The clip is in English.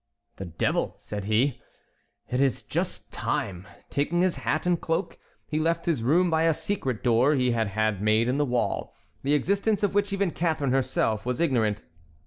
"The devil!" said he, "it is just time." Taking his hat and cloak, he left his room by a secret door he had had made in the wall, the existence of which even Catharine herself was ignorant.